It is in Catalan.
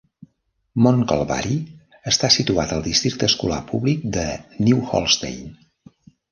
Mont Calvari està situat al districte escolar públic de New Holstein.